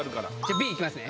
Ｂ行きますね。